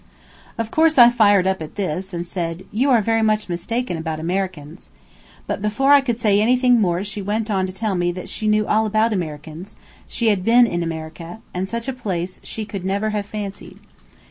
Of course I fired up at this, and said, "You are very much mistaken about Americans." But before I could say any more she went on to tell me that she knew all about Americans; she had been in America, and such a place she could never have fancied.